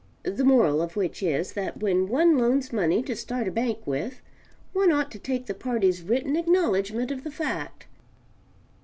The moral of which is, that when one loans money to start a bank with, one ought to take the party's written acknowledgment of the fact.